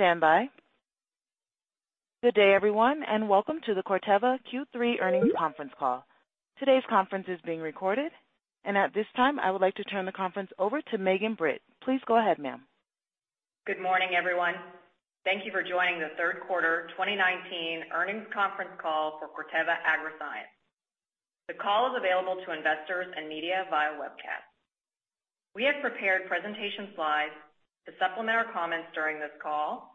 Please stand by. Good day, everyone. Welcome to the Corteva Q3 Earnings Conference Call. Today's conference is being recorded. At this time, I would like to turn the conference over to Megan Britt. Please go ahead, ma'am. Good morning, everyone. Thank you for joining the third quarter 2019 earnings conference call for Corteva Agriscience. The call is available to investors and media via webcast. We have prepared presentation slides to supplement our comments during this call.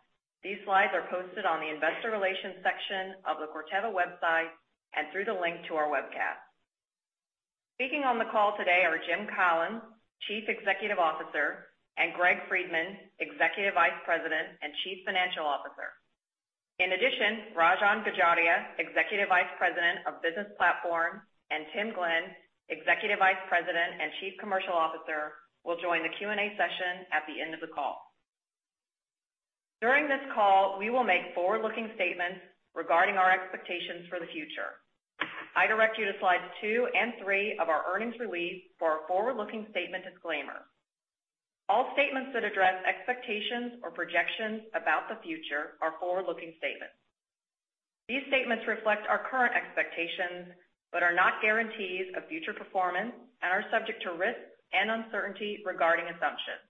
These slides are posted on the investor relations section of the corteva website and through the link to our webcast. Speaking on the call today are Jim Collins, Chief Executive Officer, and Greg Friedman, Executive Vice President and Chief Financial Officer. In addition, Rajan Gajaria, Executive Vice President of Business Platforms, and Tim Glenn, Executive Vice President and Chief Commercial Officer, will join the Q&A session at the end of the call. During this call, we will make forward-looking statements regarding our expectations for the future. I direct you to slides two and three of our earnings release for our forward-looking statement disclaimer. All statements that address expectations or projections about the future are forward-looking statements. These statements reflect our current expectations, but are not guarantees of future performance and are subject to risks and uncertainty regarding assumptions.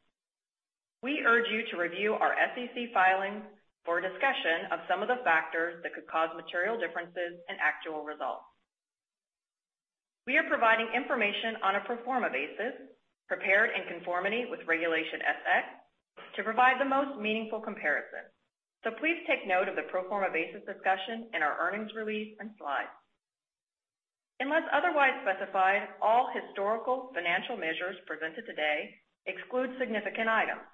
We urge you to review our SEC filings for a discussion of some of the factors that could cause material differences in actual results. We are providing information on a pro forma basis prepared in conformity with Regulation S-X to provide the most meaningful comparison. Please take note of the pro forma basis discussion in our earnings release and slides. Unless otherwise specified, all historical financial measures presented today exclude significant items,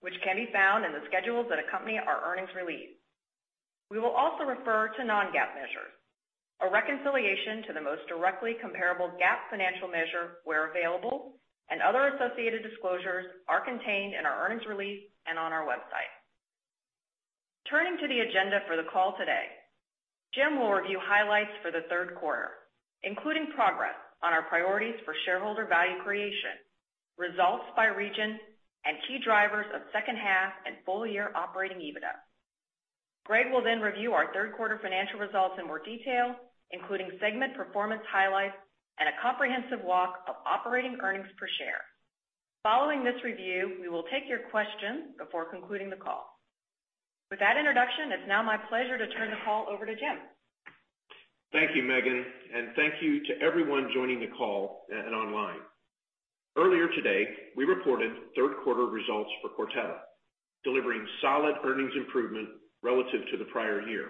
which can be found in the schedules that accompany our earnings release. We will also refer to non-GAAP measures. A reconciliation to the most directly comparable GAAP financial measure where available and other associated disclosures are contained in our earnings release and on our website. Turning to the agenda for the call today, Jim will review highlights for the third quarter, including progress on our priorities for shareholder value creation, results by region, and key drivers of second half and full-year operating EBITDA. Greg will then review our third quarter financial results in more detail, including segment performance highlights and a comprehensive walk of operating earnings per share. Following this review, we will take your questions before concluding the call. With that introduction, it's now my pleasure to turn the call over to Jim. Thank you, Megan, and thank you to everyone joining the call and online. Earlier today, we reported third quarter results for Corteva, delivering solid earnings improvement relative to the prior year,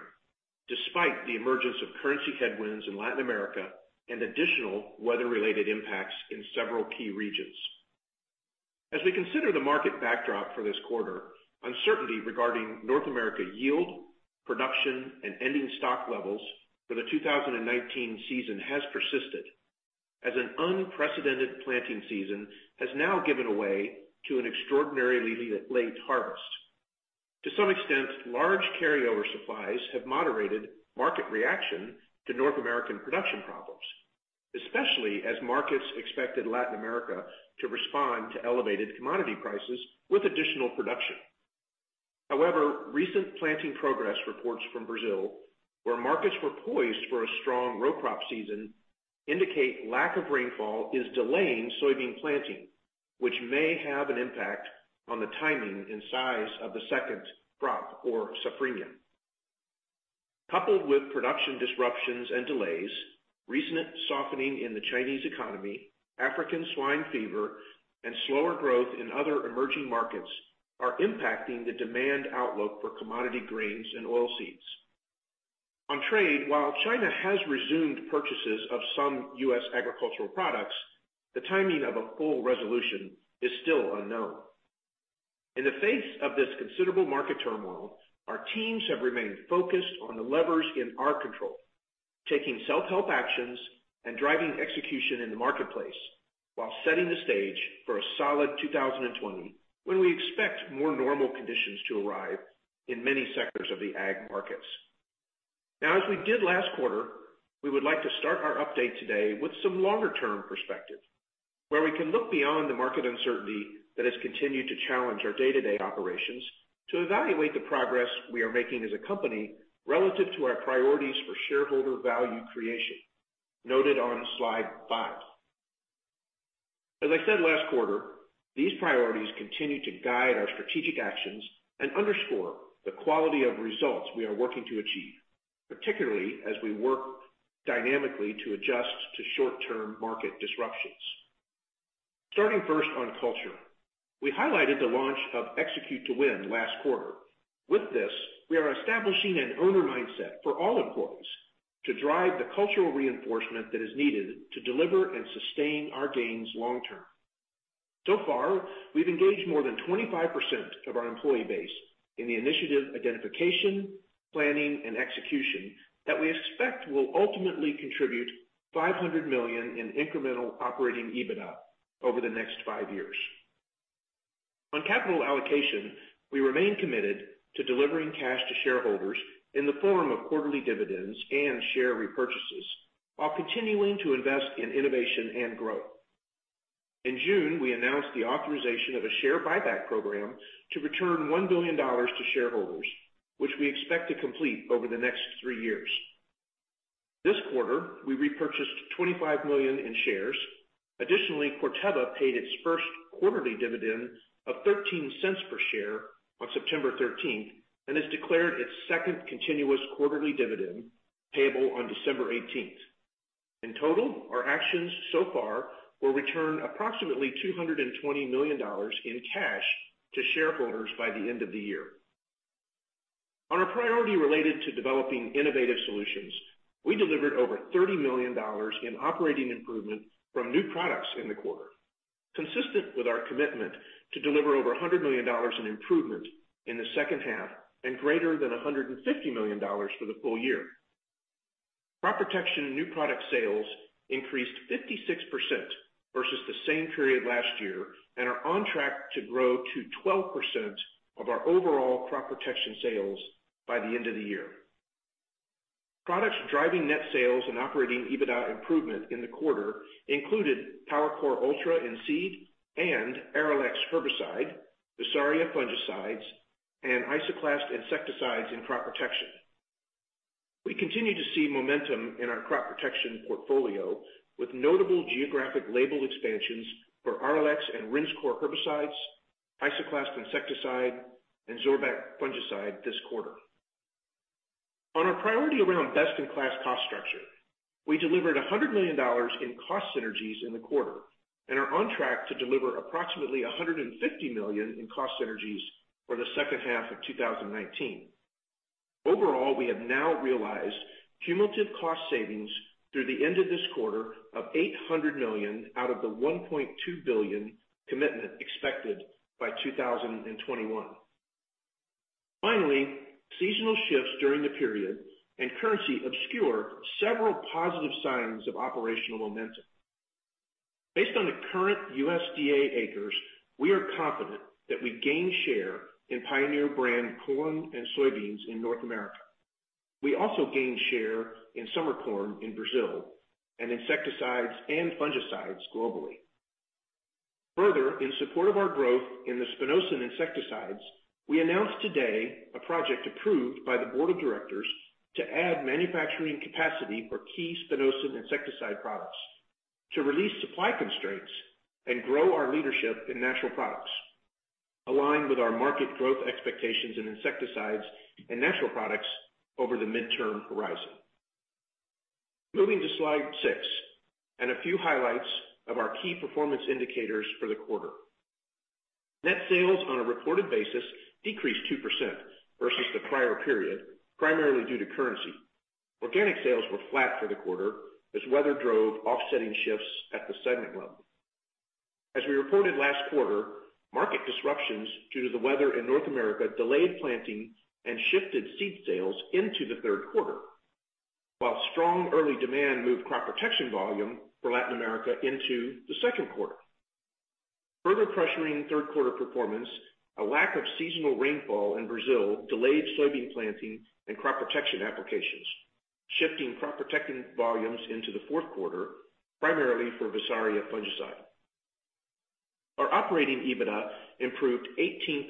despite the emergence of currency headwinds in Latin America and additional weather-related impacts in several key regions. As we consider the market backdrop for this quarter, uncertainty regarding North America yield, production, and ending stock levels for the 2019 season has persisted as an unprecedented planting season has now given away to an extraordinarily late harvest. To some extent, large carryover supplies have moderated market reaction to North American production problems, especially as markets expected Latin America to respond to elevated commodity prices with additional production. However, recent planting progress reports from Brazil, where markets were poised for a strong row crop season, indicate lack of rainfall is delaying soybean planting, which may have an impact on the timing and size of the second crop or safrinha. Coupled with production disruptions and delays, recent softening in the Chinese economy, African swine fever, and slower growth in other emerging markets are impacting the demand outlook for commodity grains and oilseeds. On trade, while China has resumed purchases of some U.S. agricultural products, the timing of a full resolution is still unknown. In the face of this considerable market turmoil, our teams have remained focused on the levers in our control, taking self-help actions and driving execution in the marketplace while setting the stage for a solid 2020 when we expect more normal conditions to arrive in many sectors of the ag markets. As we did last quarter, we would like to start our update today with some longer-term perspective, where we can look beyond the market uncertainty that has continued to challenge our day-to-day operations to evaluate the progress we are making as a company relative to our priorities for shareholder value creation, noted on slide five. As I said last quarter, these priorities continue to guide our strategic actions and underscore the quality of results we are working to achieve, particularly as we work dynamically to adjust to short-term market disruptions. Starting first on culture. We highlighted the launch of Execute to Win last quarter. With this, we are establishing an owner mindset for all employees to drive the cultural reinforcement that is needed to deliver and sustain our gains long term. Far, we've engaged more than 25% of our employee base in the initiative identification, planning, and execution that we expect will ultimately contribute $500 million in incremental operating EBITDA over the next five years. On capital allocation, we remain committed to delivering cash to shareholders in the form of quarterly dividends and share repurchases while continuing to invest in innovation and growth. In June, we announced the authorization of a share buyback program to return $1 billion to shareholders, which we expect to complete over the next three years. This quarter, we repurchased $25 million in shares. Additionally, Corteva paid its first quarterly dividend of $0.13 per share on September 13th and has declared its second continuous quarterly dividend payable on December 18th. In total, our actions so far will return approximately $220 million in cash to shareholders by the end of the year. On our priority related to developing innovative solutions, we delivered over $30 million in operating improvement from new products in the quarter, consistent with our commitment to deliver over $100 million in improvement in the second half and greater than $150 million for the full year. Crop Protection and new product sales increased 56% versus the same period last year and are on track to grow to 12% of our overall Crop Protection sales by the end of the year. Products driving net sales and operating EBITDA improvement in the quarter included PowerCore Ultra in seed and Arylex herbicide, Visaria fungicides, and Isoclast insecticides in Crop Protection. We continue to see momentum in our Crop Protection portfolio, with notable geographic label expansions for Arylex and Rinskor herbicides, Isoclast insecticide, and Zorvec fungicide this quarter. On our priority around best-in-class cost structure, we delivered $100 million in cost synergies in the quarter and are on track to deliver approximately $150 million in cost synergies for the second half of 2019. Overall, we have now realized cumulative cost savings through the end of this quarter of $800 million out of the $1.2 billion commitment expected by 2021. Finally, seasonal shifts during the period and currency obscure several positive signs of operational momentum. Based on the current USDA acres, we are confident that we gained share in Pioneer brand corn and soybeans in North America. We also gained share in summer corn in Brazil and insecticides and fungicides globally. Further, in support of our growth in the spinosyn insecticides, we announced today a project approved by the board of directors to add manufacturing capacity for key spinosyn insecticide products to release supply constraints and grow our leadership in natural products, aligned with our market growth expectations in insecticides and natural products over the midterm horizon. Moving to slide six and a few highlights of our key performance indicators for the quarter. Net sales on a reported basis decreased 2% versus the prior period, primarily due to currency. Organic sales were flat for the quarter as weather drove offsetting shifts at the segment level. As we reported last quarter, market disruptions due to the weather in North America delayed planting and shifted seed sales into the third quarter, while strong early demand moved crop protection volume for Latin America into the second quarter. Further pressuring third-quarter performance, a lack of seasonal rainfall in Brazil delayed soybean planting and crop protection applications, shifting crop protection volumes into the fourth quarter, primarily for Visaria fungicide. Our operating EBITDA improved 18%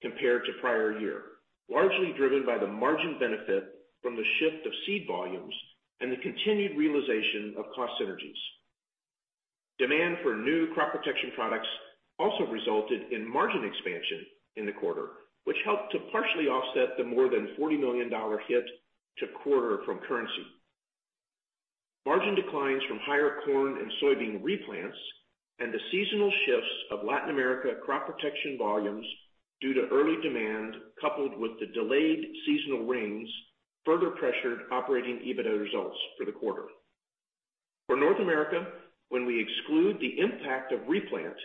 compared to prior year, largely driven by the margin benefit from the shift of seed volumes and the continued realization of cost synergies. Demand for new crop protection products also resulted in margin expansion in the quarter, which helped to partially offset the more than $40 million hit to quarter from currency. Margin declines from higher corn and soybean replants and the seasonal shifts of Latin America crop protection volumes due to early demand, coupled with the delayed seasonal rains, further pressured operating EBITDA results for the quarter. For North America, when we exclude the impact of replant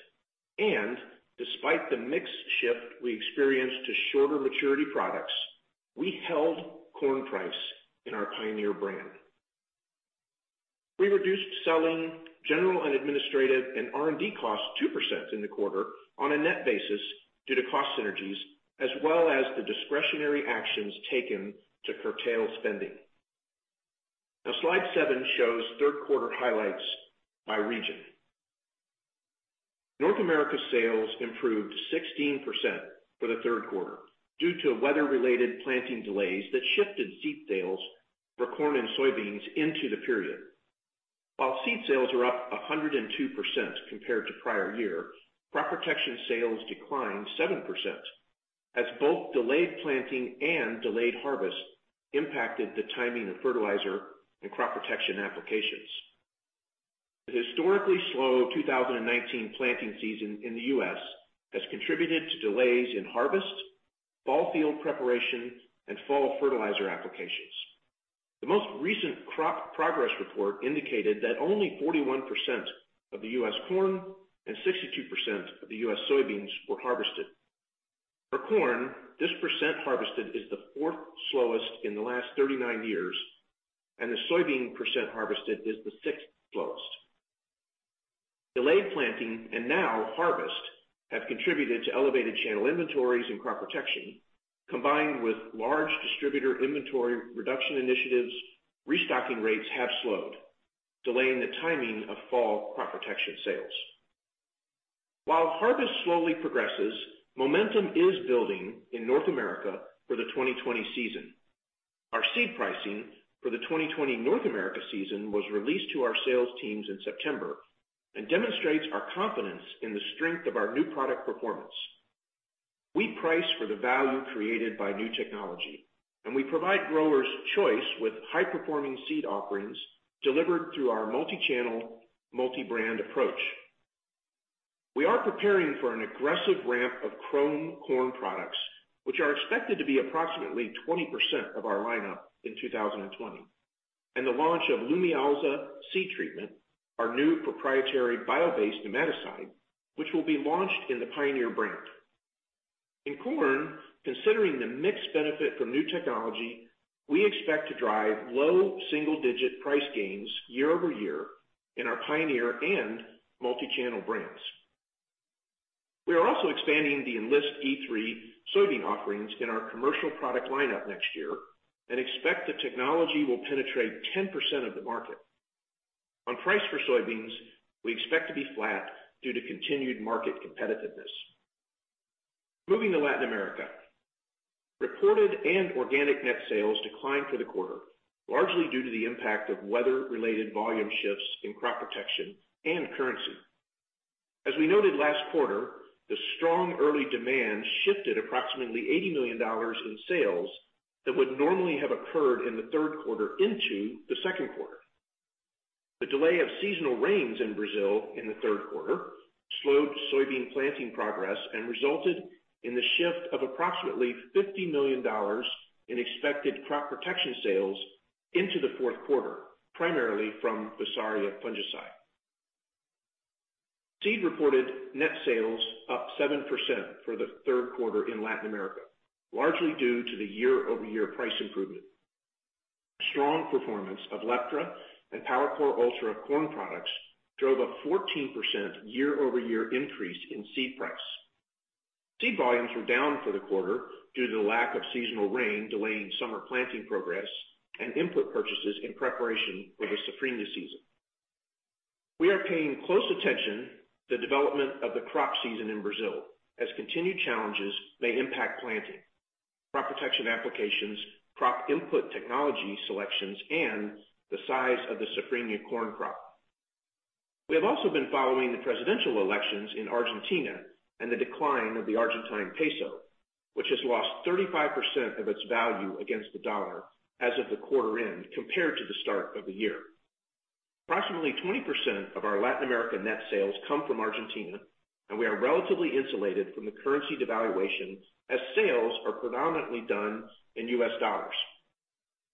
and despite the mix shift we experienced to shorter maturity products, we held corn price in our Pioneer brand. We reduced selling, general and administrative, and R&D costs 2% in the quarter on a net basis due to cost synergies as well as the discretionary actions taken to curtail spending. Slide seven shows third-quarter highlights by region. North America sales improved 16% for the third quarter due to weather-related planting delays that shifted seed sales for corn and soybeans into the period. While seed sales were up 102% compared to prior year, crop protection sales declined 7% as both delayed planting and delayed harvest impacted the timing of fertilizer and crop protection applications. The historically slow 2019 planting season in the U.S. has contributed to delays in harvest, fall field preparation, and fall fertilizer applications. The most recent crop progress report indicated that only 41% of the U.S. corn and 62% of the U.S. soybeans were harvested. For corn, this % harvested is the fourth slowest in the last 39 years, and the soybean % harvested is the sixth slowest. Delayed planting and now harvest have contributed to elevated channel inventories in Crop Protection. Combined with large distributor inventory reduction initiatives, restocking rates have slowed, delaying the timing of fall Crop Protection sales. While harvest slowly progresses, momentum is building in North America for the 2020 season. Our seed pricing for the 2020 North America season was released to our sales teams in September and demonstrates our confidence in the strength of our new product performance. We price for the value created by new technology, and we provide growers choice with high-performing seed offerings delivered through our multi-channel, multi-brand approach. We are preparing for an aggressive ramp of Qrome corn products, which are expected to be approximately 20% of our lineup in 2020, and the launch of Lumialza seed treatment, our new proprietary bio-based nematicide, which will be launched in the Pioneer brand. In corn, considering the mixed benefit from new technology, we expect to drive low single-digit price gains year-over-year in our Pioneer and multi-channel brands. We are also expanding the Enlist E3 soybean offerings in our commercial product lineup next year and expect the technology will penetrate 10% of the market. On price for soybeans, we expect to be flat due to continued market competitiveness. Moving to Latin America, reported and organic net sales declined for the quarter, largely due to the impact of weather-related volume shifts in Crop Protection and currency. As we noted last quarter, the strong early demand shifted approximately $80 million in sales that would normally have occurred in the third quarter into the second quarter. The delay of seasonal rains in Brazil in the third quarter slowed soybean planting progress and resulted in the shift of approximately $50 million in expected crop protection sales into the fourth quarter, primarily from [fusaria fungicide]. Seed reported net sales up 7% for the third quarter in Latin America, largely due to the year-over-year price improvement. Strong performance of Leptra and PowerCore Ultra corn products drove a 14% year-over-year increase in seed price. Seed volumes were down for the quarter due to the lack of seasonal rain delaying summer planting progress and input purchases in preparation for the safrinha season. We are paying close attention the development of the crop season in Brazil, as continued challenges may impact planting, crop protection applications, crop input technology selections, and the size of the safrinha corn crop. We have also been following the presidential elections in Argentina and the decline of the Argentine peso, which has lost 35% of its value against the U.S. dollar as of the quarter end compared to the start of the year. Approximately 20% of our Latin America net sales come from Argentina, and we are relatively insulated from the currency devaluation as sales are predominantly done in U.S. dollars.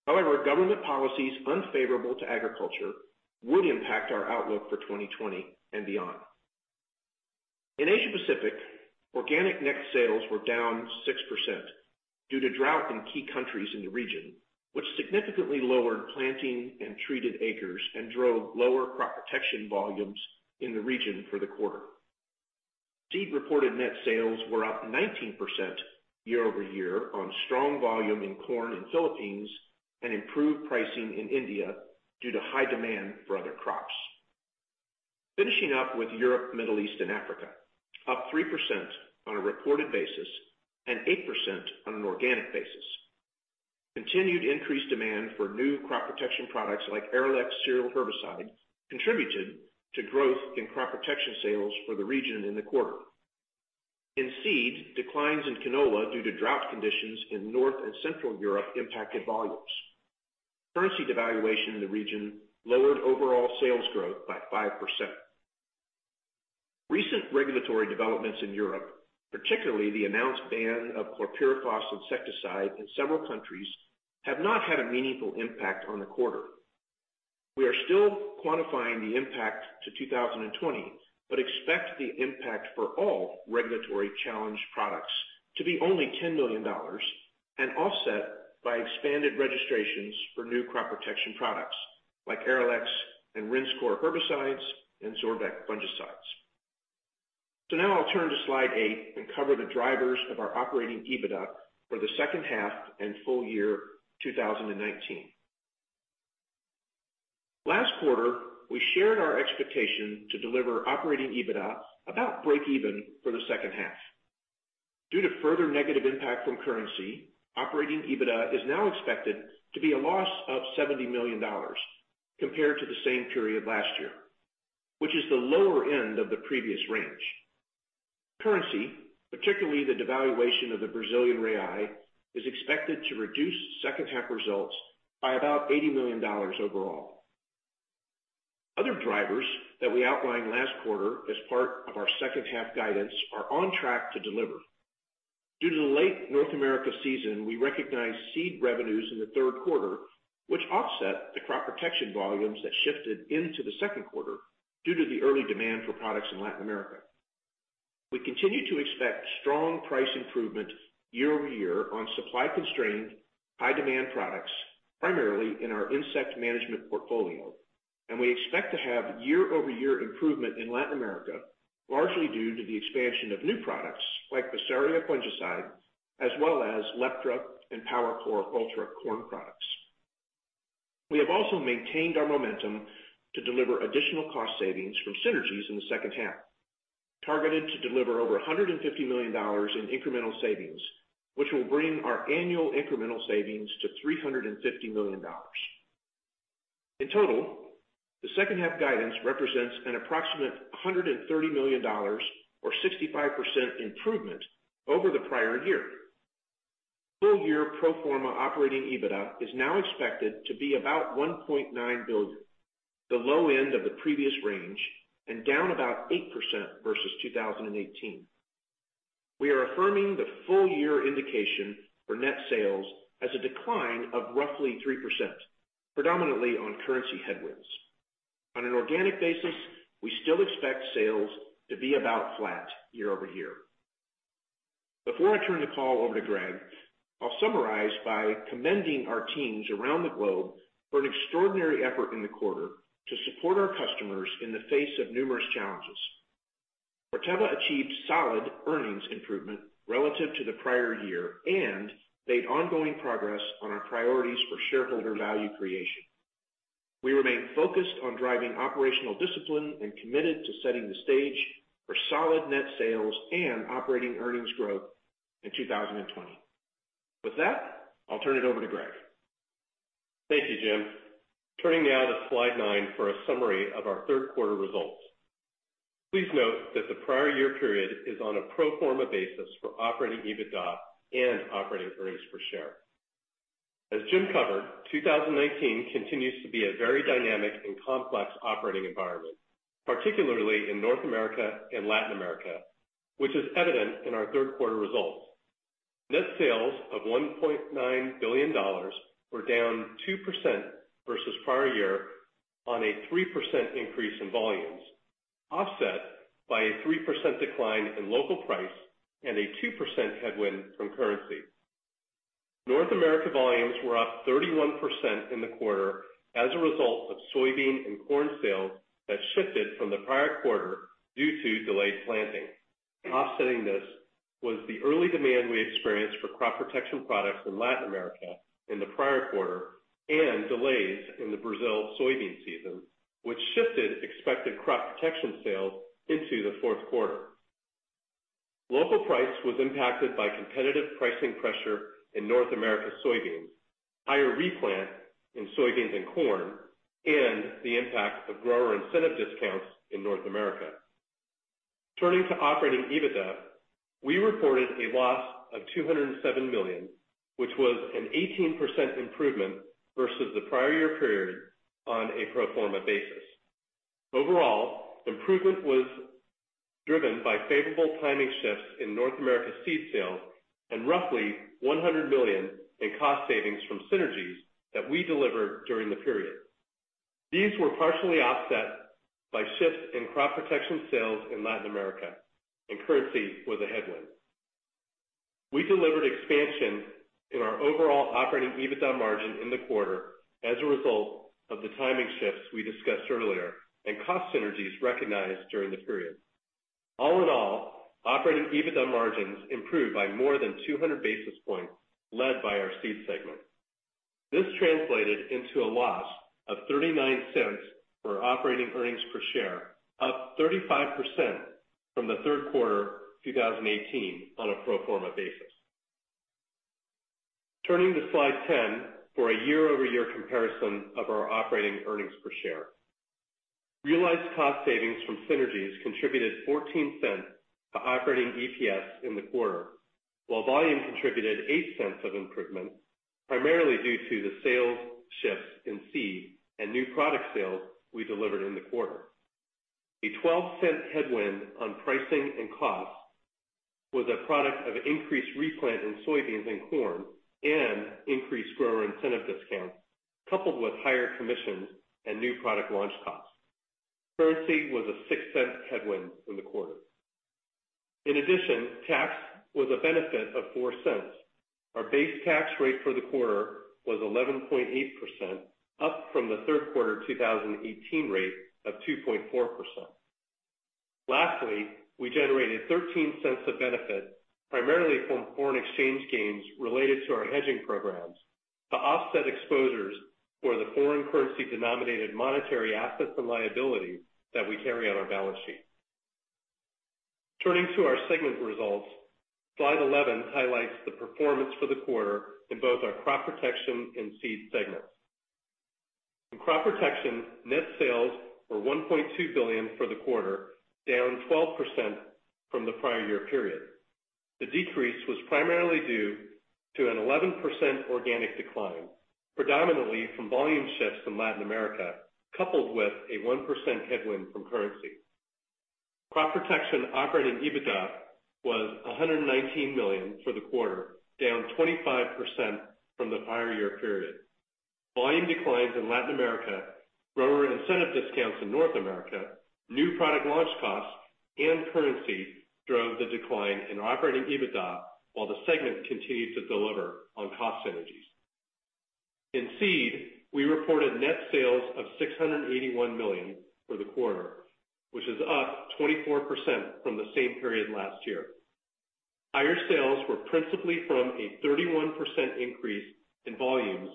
However, government policies unfavorable to agriculture would impact our outlook for 2020 and beyond. In Asia Pacific, organic net sales were down 6% due to drought in key countries in the region, which significantly lowered planting and treated acres and drove lower Crop Protection volumes in the region for the quarter. Seed reported net sales were up 19% year over year on strong volume in corn in Philippines and improved pricing in India due to high demand for other crops. Finishing up with Europe, Middle East, and Africa, up 3% on a reported basis and 8% on an organic basis. Continued increased demand for new Crop Protection products like Arylex cereal herbicide contributed to growth in Crop Protection sales for the region in the quarter. In seeds, declines in canola due to drought conditions in North and Central Europe impacted volumes. Currency devaluation in the region lowered overall sales growth by 5%. Recent regulatory developments in Europe, particularly the announced ban of chlorpyrifos insecticide in several countries, have not had a meaningful impact on the quarter. We are still quantifying the impact to 2020, but expect the impact for all regulatory challenged products to be only $10 million and offset by expanded registrations for new crop protection products like Arylex and Rinskor herbicides and Zorvec fungicides. Now I'll turn to slide eight and cover the drivers of our operating EBITDA for the second half and full year 2019. Last quarter, we shared our expectation to deliver operating EBITDA about breakeven for the second half. Due to further negative impact from currency, operating EBITDA is now expected to be a loss of $70 million compared to the same period last year, which is the lower end of the previous range. Currency, particularly the devaluation of the Brazilian real, is expected to reduce second half results by about $80 million overall. Other drivers that we outlined last quarter as part of our second half guidance are on track to deliver. Due to the late North America season, we recognized seed revenues in the third quarter, which offset the crop protection volumes that shifted into the second quarter due to the early demand for products in Latin America. We continue to expect strong price improvement year-over-year on supply-constrained, high-demand products, primarily in our insect management portfolio. We expect to have year-over-year improvement in Latin America, largely due to the expansion of new products like the Saria fungicide, as well as Leptra and PowerCore Ultra corn products. We have also maintained our momentum to deliver additional cost savings from synergies in the second half, targeted to deliver over $150 million in incremental savings, which will bring our annual incremental savings to $350 million. In total, the second half guidance represents an approximate $130 million or 65% improvement over the prior year. Full year pro forma operating EBITDA is now expected to be about $1.9 billion, the low end of the previous range and down about 8% versus 2018. We are affirming the full year indication for net sales as a decline of roughly 3%, predominantly on currency headwinds. On an organic basis, we still expect sales to be about flat year-over-year. Before I turn the call over to Greg, I'll summarize by commending our teams around the globe for an extraordinary effort in the quarter to support our customers in the face of numerous challenges. Corteva achieved solid earnings improvement relative to the prior year and made ongoing progress on our priorities for shareholder value creation. We remain focused on driving operational discipline and committed to setting the stage for solid net sales and operating earnings growth in 2020. With that, I'll turn it over to Greg. Thank you, Jim. Turning now to slide nine for a summary of our third quarter results. Please note that the prior year period is on a pro forma basis for operating EBITDA and operating earnings per share. As Jim covered, 2019 continues to be a very dynamic and complex operating environment, particularly in North America and Latin America, which is evident in our third quarter results. Net sales of $1.9 billion were down 2% versus prior year on a 3% increase in volumes, offset by a 3% decline in local price and a 2% headwind from currency. North America volumes were up 31% in the quarter as a result of soybean and corn sales that shifted from the prior quarter due to delayed planting. Offsetting this was the early demand we experienced for crop protection products in Latin America in the prior quarter and delays in the Brazil soybean season, which shifted expected crop protection sales into the fourth quarter. Local price was impacted by competitive pricing pressure in North America soybeans, higher replant in soybeans and corn, and the impact of grower incentive discounts in North America. Turning to operating EBITDA, we reported a loss of $207 million, which was an 18% improvement versus the prior year period on a pro forma basis. Overall, improvement was driven by favorable timing shifts in North America seed sales and roughly $100 million in cost savings from synergies that we delivered during the period. These were partially offset by shifts in crop protection sales in Latin America, and currency was a headwind. We delivered expansion in our overall operating EBITDA margin in the quarter as a result of the timing shifts we discussed earlier and cost synergies recognized during the period. All in all, operating EBITDA margins improved by more than 200 basis points led by our Seed segment. This translated into a loss of $0.39 for operating earnings per share, up 35% from the third quarter 2018 on a pro forma basis. Turning to slide 10 for a year-over-year comparison of our operating earnings per share. Realized cost savings from synergies contributed $0.14 to operating EPS in the quarter, while volume contributed $0.08 of improvement, primarily due to the sales shifts in Seed and new product sales we delivered in the quarter. A $0.12 headwind on pricing and cost was a product of increased replant in soybeans and corn and increased grower incentive discounts, coupled with higher commissions and new product launch costs. Currency was a $0.06 headwind in the quarter. In addition, tax was a benefit of $0.04. Our base tax rate for the quarter was 11.8%, up from the third quarter 2018 rate of 2.4%. Lastly, we generated $0.13 of benefit primarily from foreign exchange gains related to our hedging programs to offset exposures for the foreign currency denominated monetary assets and liabilities that we carry on our balance sheet. Turning to our segment results. Slide 11 highlights the performance for the quarter in both our Crop Protection and Seed segments. In Crop Protection, net sales were $1.2 billion for the quarter, down 12% from the prior year period. The decrease was primarily due to an 11% organic decline, predominantly from volume shifts from Latin America, coupled with a 1% headwind from currency. Crop protection operating EBITDA was $119 million for the quarter, down 25% from the prior year period. Volume declines in Latin America, grower incentive discounts in North America, new product launch costs, and currency drove the decline in operating EBITDA while the segment continued to deliver on cost synergies. In seed, we reported net sales of $681 million for the quarter, which is up 24% from the same period last year. Higher sales were principally from a 31% increase in volumes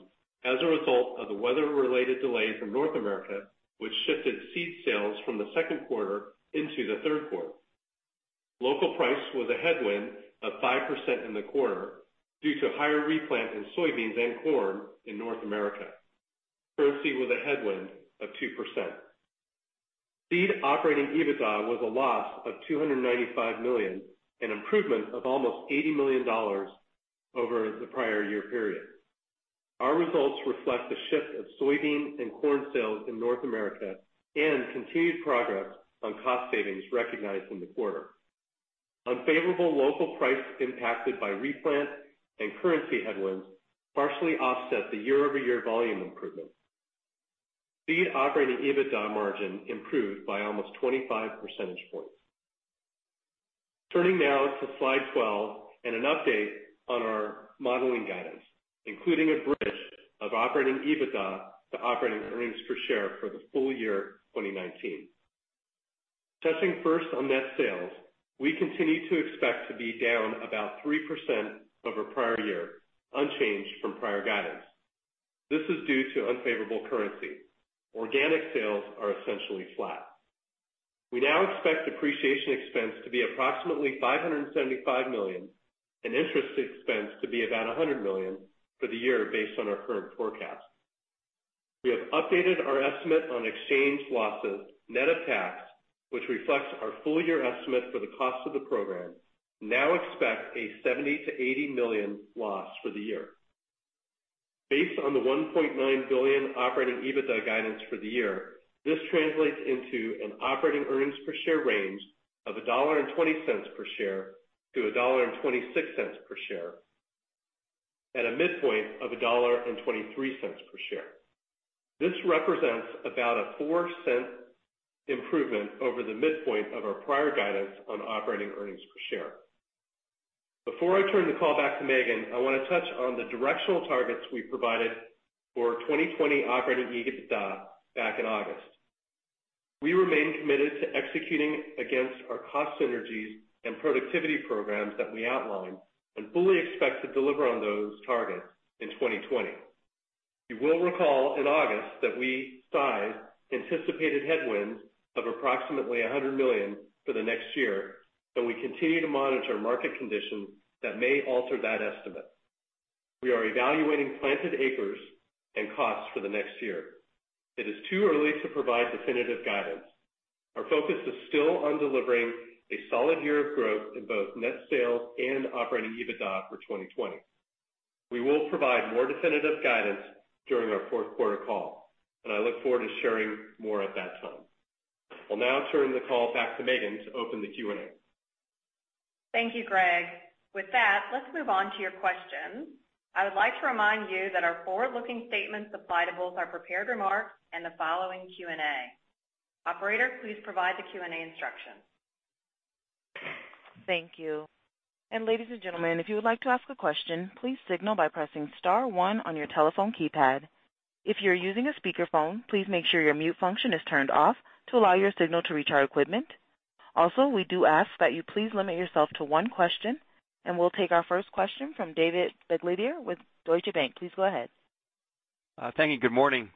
as a result of the weather-related delay from North America, which shifted seed sales from the second quarter into the third quarter. Local price was a headwind of 5% in the quarter due to higher replant in soybeans and corn in North America. Currency was a headwind of 2%. Seed Operating EBITDA was a loss of $295 million, an improvement of almost $80 million over the prior year period. Our results reflect the shift of soybean and corn sales in North America and continued progress on cost savings recognized in the quarter. Unfavorable local price impacted by replant and currency headwinds partially offset the year-over-year volume improvement. Seed Operating EBITDA margin improved by almost 25 percentage points. Turning now to slide 12 and an update on our modeling guidance, including a bridge of Operating EBITDA to Operating Earnings per Share for the full year 2019. Touching first on net sales, we continue to expect to be down about 3% over prior year, unchanged from prior guidance. This is due to unfavorable currency. Organic sales are essentially flat. We now expect depreciation expense to be approximately $575 million and interest expense to be about $100 million for the year based on our current forecast. We have updated our estimate on exchange losses net of tax, which reflects our full-year estimate for the cost of the program, now expect a $70 million-$80 million loss for the year. Based on the $1.9 billion operating EBITDA guidance for the year, this translates into an operating earnings per share range of $1.20 per share to $1.26 per share at a midpoint of $1.23 per share. This represents about a $0.04 improvement over the midpoint of our prior guidance on operating earnings per share. Before I turn the call back to Megan, I want to touch on the directional targets we provided for 2020 operating EBITDA back in August. We remain committed to executing against our cost synergies and productivity programs that we outlined and fully expect to deliver on those targets in 2020. You will recall in August that we sized anticipated headwinds of approximately $100 million for the next year, but we continue to monitor market conditions that may alter that estimate. We are evaluating planted acres and costs for the next year. It is too early to provide definitive guidance. Our focus is still on delivering a solid year of growth in both net sales and operating EBITDA for 2020. We will provide more definitive guidance during our fourth quarter call, and I look forward to sharing more at that time. I'll now turn the call back to Megan to open the Q&A. Thank you, Greg. Let's move on to your questions. I would like to remind you that our forward-looking statements apply to both our prepared remarks and the following Q&A. Operator, please provide the Q&A instructions. Thank you. Ladies and gentlemen, if you would like to ask a question, please signal by pressing star one on your telephone keypad. If you're using a speakerphone, please make sure your mute function is turned off to allow your signal to reach our equipment. We do ask that you please limit yourself to one question, and we'll take our first question from David Begleiter with Deutsche Bank. Please go ahead. Thank you. Good morning.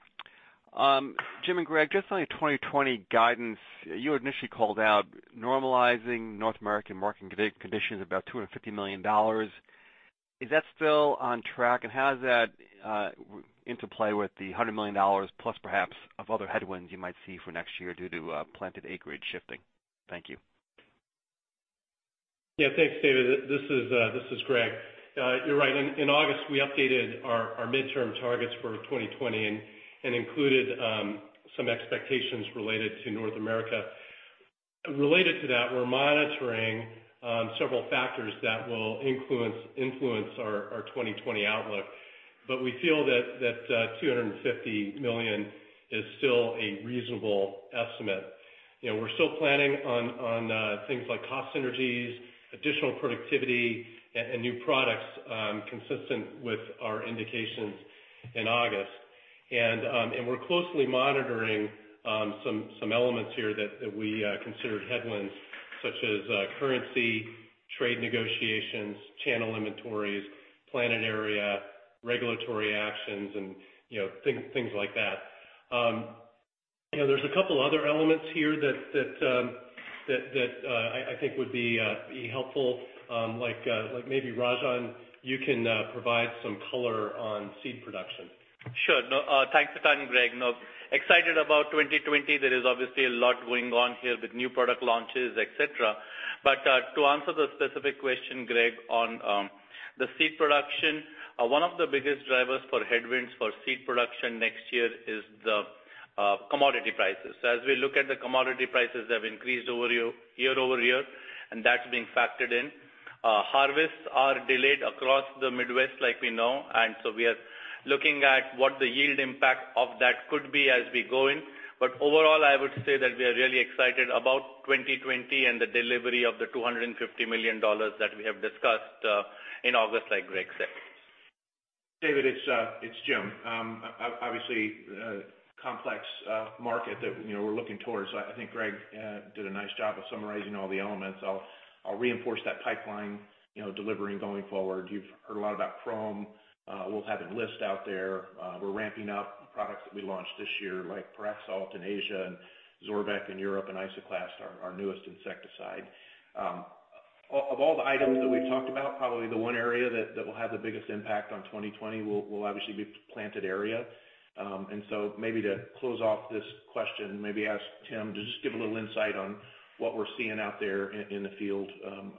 Jim and Greg, just on your 2020 guidance, you had initially called out normalizing North American market conditions about $250 million. Is that still on track, and how does that interplay with the $100 million plus perhaps of other headwinds you might see for next year due to planted acreage shifting? Thank you. Yeah. Thanks, David. This is Greg. You're right. In August, we updated our midterm targets for 2020 and included some expectations related to North America. Related to that, we're monitoring several factors that will influence our 2020 outlook, but we feel that $250 million is still a reasonable estimate. We're still planning on things like cost synergies, additional productivity, and new products consistent with our indications in August. We're closely monitoring some elements here that we considered headwinds, such as currency, trade negotiations, channel inventories, planted area, regulatory actions, and things like that. There's a couple other elements here that I think would be helpful. Maybe Rajan, you can provide some color on seed production. Sure. Thanks a ton, Greg. Excited about 2020. There is obviously a lot going on here with new product launches, et cetera. To answer the specific question, Greg, on the seed production, one of the biggest drivers for headwinds for seed production next year is the commodity prices. As we look at the commodity prices, they have increased year-over-year, and that's being factored in. Harvests are delayed across the Midwest, like we know. We are looking at what the yield impact of that could be as we go in. Overall, I would say that we are really excited about 2020 and the delivery of the $250 million that we have discussed in August, like Greg said. David, it's Jim. Obviously, a complex market that we're looking towards. I think Greg did a nice job of summarizing all the elements. I'll reinforce that pipeline delivering going forward. You've heard a lot about Qrome. We'll have Enlist out there. We're ramping up products that we launched this year, like Pyraxalt in Asia and Zorvec in Europe, and Isoclast, our newest insecticide. Of all the items that we've talked about, probably the one area that will have the biggest impact on 2020 will obviously be planted area. Maybe to close off this question, maybe ask Tim to just give a little insight on what we're seeing out there in the field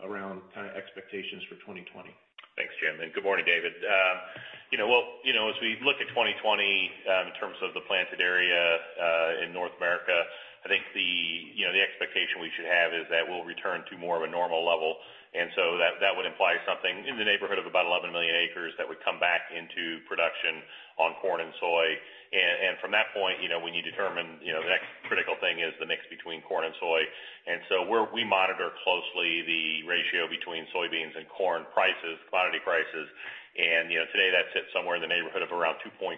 around expectations for 2020. Thanks, Jim, and good morning, David. As we look at 2020 in terms of the planted area in North America, I think the expectation we should have is that we'll return to more of a normal level. That would imply something in the neighborhood of about 11 million acres that would come back into production on corn and soy. From that point, when you determine the next critical thing is the mix between corn and soy. We monitor closely the ratio between soybeans and corn prices, commodity prices. Today, that sits somewhere in the neighborhood of around 2.4.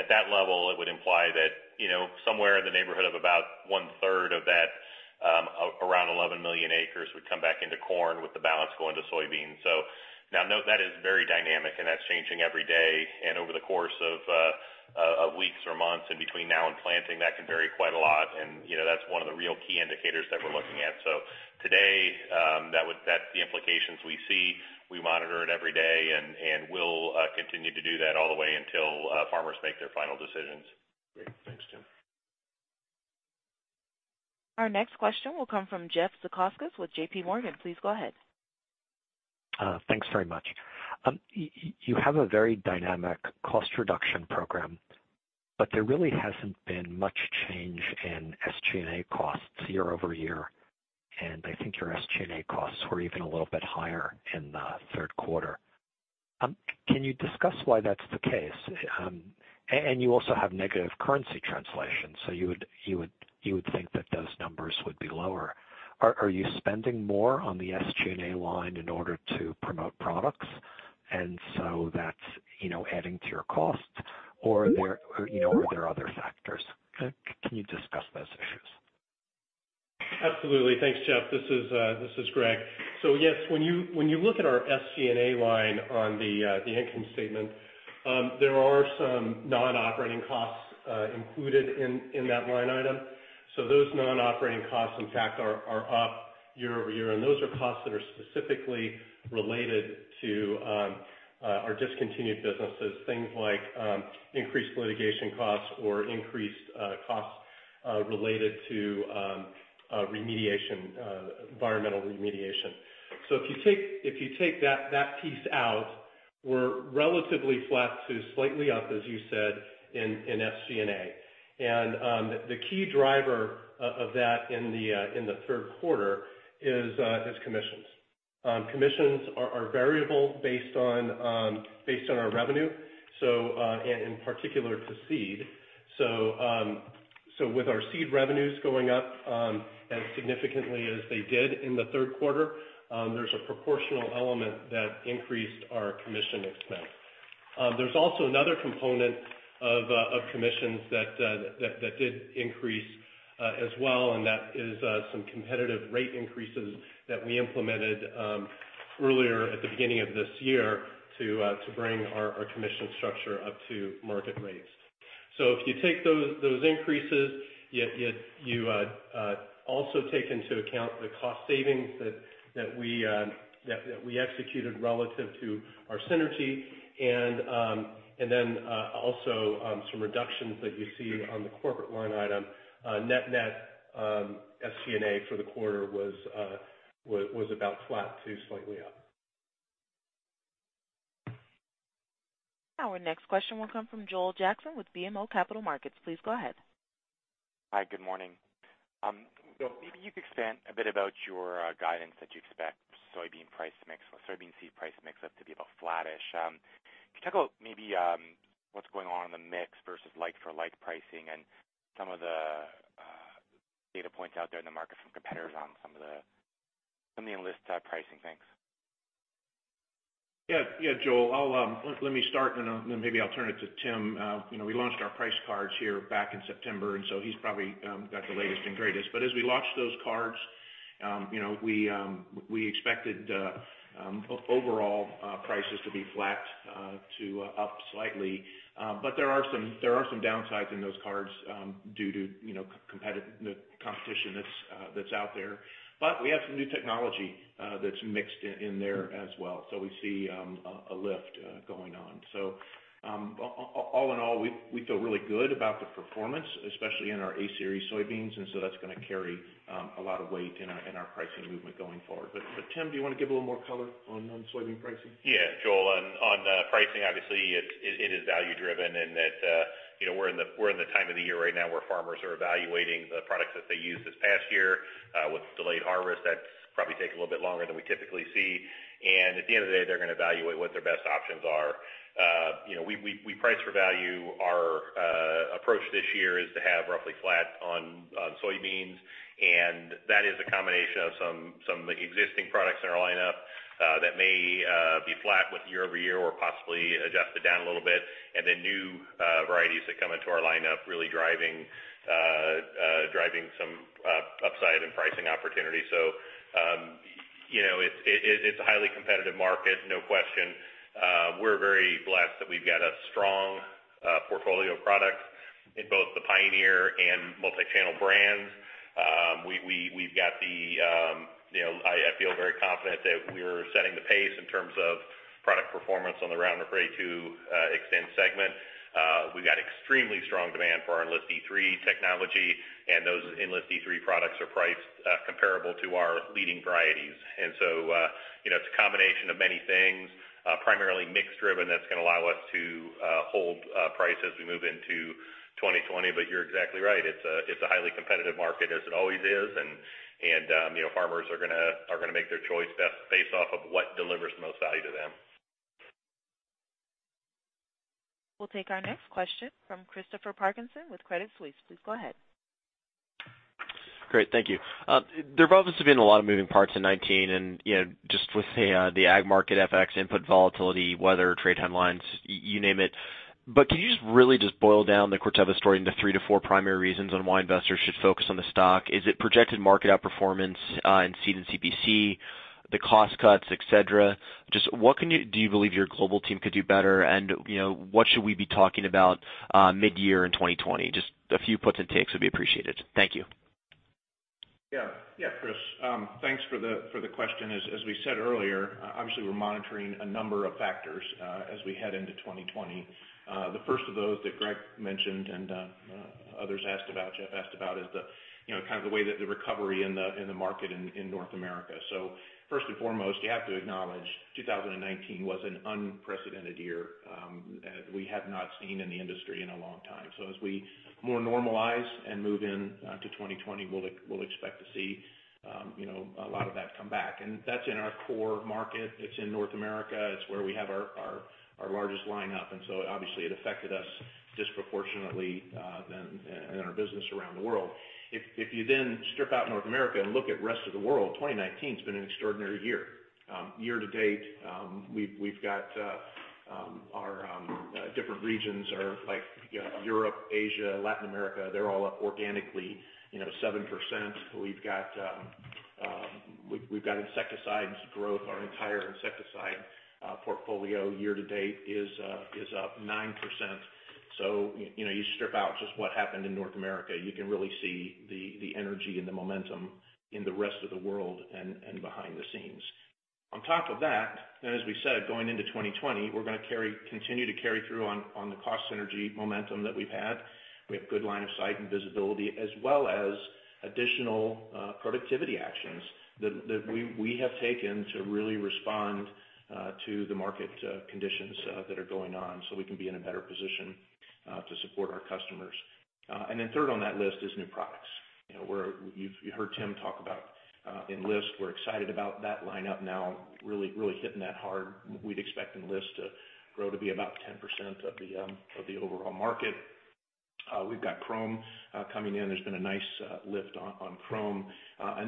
At that level, it would imply that somewhere in the neighborhood of about one-third of that, around 11 million acres, would come back into corn with the balance going to soybeans. Now note that is very dynamic and that's changing every day. Over the course of weeks or months in between now and planting, that can vary quite a lot. That's one of the real key indicators that we're looking at. Today, that's the implications we see. We monitor it every day, and we'll continue to do that all the way until farmers make their final decisions. Great. Thanks, Tim. Our next question will come from Jeff Zekauskas with J.P. Morgan. Please go ahead. Thanks very much. You have a very dynamic cost reduction program, but there really hasn't been much change in SG&A costs year-over-year. I think your SG&A costs were even a little bit higher in the third quarter. Can you discuss why that's the case? You also have negative currency translation, so you would think that those numbers would be lower. Are you spending more on the SG&A line in order to promote products, and so that's adding to your costs? Are there other factors? Can you discuss those issues? Absolutely. Thanks, Jeff. This is Greg. Yes, when you look at our SG&A line on the income statement, there are some non-operating costs included in that line item. Those non-operating costs, in fact, are up year-over-year. Those are costs that are specifically related to our discontinued businesses, things like increased litigation costs or increased costs related to environmental remediation. If you take that piece out, we're relatively flat to slightly up, as you said, in SG&A. The key driver of that in the third quarter is commissions. Commissions are variable based on our revenue. In particular to seed. With our seed revenues going up as significantly as they did in the third quarter, there's a proportional element that increased our commission expense. There's also another component of commissions that did increase as well, and that is some competitive rate increases that we implemented earlier at the beginning of this year to bring our commission structure up to market rates. If you take those increases, you also take into account the cost savings that we executed relative to our synergy and then also some reductions that you see on the corporate line item. Net net SG&A for the quarter was about flat to slightly up. Our next question will come from Joel Jackson with BMO Capital Markets. Please go ahead. Hi. Good morning. Joel. Maybe you could expand a bit about your guidance that you expect soybean price mix or soybean seed price mix up to be about flattish. Can you talk about maybe what's going on in the mix versus like for like pricing and some of the data points out there in the market from competitors on some of the Enlist pricing? Thanks. Yeah. Joel, let me start and then maybe I'll turn it to Tim. We launched our price cards here back in September, he's probably got the latest and greatest. As we launched those cards, we expected overall prices to be flat to up slightly. There are some downsides in those cards due to competition that's out there. We have some new technology that's mixed in there as well. We see a lift going on. All in all, we feel really good about the performance, especially in our A-series soybeans, that's going to carry a lot of weight in our pricing movement going forward. Tim, do you want to give a little more color on soybean pricing? Joel, on pricing, obviously it is value driven in that we're in the time of the year right now where farmers are evaluating the products that they used this past year. With delayed harvest, that probably takes a little bit longer than we typically see. At the end of the day, they're going to evaluate what their best options are. We price for value. Our approach this year is to have roughly flat on soybeans, that is a combination of some existing products in our lineup that may be flat with year-over-year or possibly adjusted down a little bit. New varieties that come into our lineup really driving some upside in pricing opportunities. It's a highly competitive market, no question. We're very blessed that we've got a strong portfolio of products in both the Pioneer and multi-channel brands. I feel very confident that we're setting the pace in terms of product performance on the Roundup Ready 2 Xtend segment. We got extremely strong demand for our Enlist E3 technology, and those Enlist E3 products are priced comparable to our leading varieties. It's a combination of many things, primarily mix-driven, that's going to allow us to hold price as we move into 2020. You're exactly right. It's a highly competitive market, as it always is. Farmers are going to make their choice based off of what delivers the most value to them. We'll take our next question from Christopher Parkinson with Credit Suisse. Please go ahead. Great. Thank you. There obviously have been a lot of moving parts in 2019 and just with the ag market FX input volatility, weather, trade timelines, you name it. Could you just really just boil down the Corteva story into three to four primary reasons on why investors should focus on the stock? Is it projected market outperformance in seed and CP, the cost cuts, et cetera? Just what do you believe your global team could do better? What should we be talking about mid-year in 2020? Just a few puts and takes would be appreciated. Thank you. Chris, thanks for the question. As we said earlier, obviously we're monitoring a number of factors as we head into 2020. The first of those that Greg mentioned and others asked about, Jeff asked about, is the kind of the way that the recovery in the market in North America. First and foremost, you have to acknowledge 2019 was an unprecedented year that we have not seen in the industry in a long time. As we more normalize and move into 2020, we'll expect to see a lot of that come back. That's in our core market. It's in North America. It's where we have our largest lineup. Obviously it affected us disproportionately in our business around the world. If you then strip out North America and look at rest of the world, 2019's been an extraordinary year. Year to date, we've got our different regions, like Europe, Asia, Latin America, they're all up organically 7%. We've got insecticides growth. Our entire insecticide portfolio year to date is up 9%. You strip out just what happened in North America, you can really see the energy and the momentum in the rest of the world and behind the scenes. On top of that, as we said, going into 2020, we're going to continue to carry through on the cost synergy momentum that we've had. We have good line of sight and visibility as well as additional productivity actions that we have taken to really respond to the market conditions that are going on so we can be in a better position to support our customers. Third on that list is new products. You heard Tim talk about Enlist. We're excited about that lineup now, really hitting that hard. We'd expect Enlist to grow to be about 10% of the overall market. We've got Qrome coming in. There's been a nice lift on Qrome.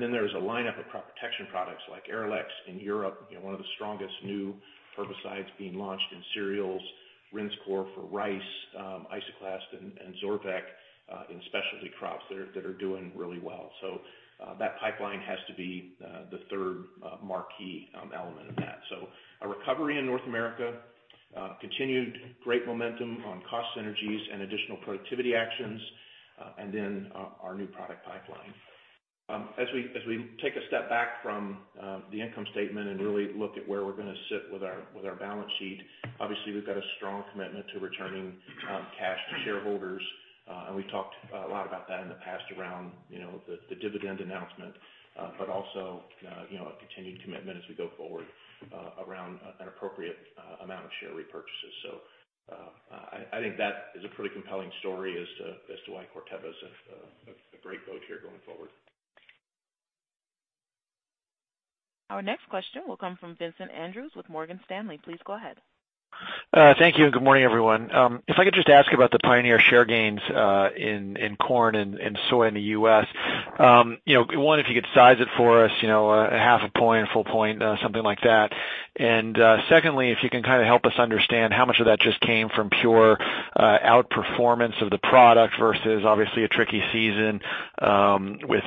Then there's a lineup of protection products like Arylex in Europe, one of the strongest new herbicides being launched in cereals, Rinskor for rice, Isoclast and Zorvec in specialty crops that are doing really well. That pipeline has to be the third marquee element of that. A recovery in North America, continued great momentum on cost synergies and additional productivity actions, and then our new product pipeline. As we take a step back from the income statement and really look at where we're going to sit with our balance sheet, obviously we've got a strong commitment to returning cash to shareholders. We've talked a lot about that in the past around the dividend announcement. Also, a continued commitment as we go forward around an appropriate amount of share repurchases. I think that is a pretty compelling story as to why Corteva is a great boat here going forward. Our next question will come from Vincent Andrews with Morgan Stanley. Please go ahead. Thank you. Good morning, everyone. If I could just ask about the Pioneer share gains in corn and soy in the U.S. One, if you could size it for us, a half a point, a full point, something like that. Secondly, if you can kind of help us understand how much of that just came from pure outperformance of the product versus obviously a tricky season with